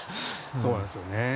そうなんですよね。